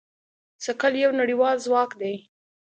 ثقل یو نړیوال ځواک دی.